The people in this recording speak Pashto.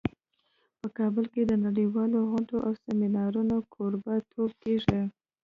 په کابل کې د نړیوالو غونډو او سیمینارونو کوربه توب کیږي